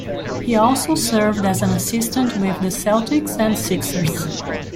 He also served as an assistant with the Celtics and Sixers.